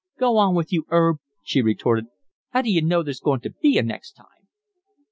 "Go on with you, 'Erb," she retorted. "'Ow d'you know there's going to be a next time?"